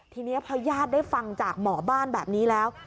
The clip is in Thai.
ทีนี้พอญาติได้ฟังจากหมอบ้านแบบนี้แล้ว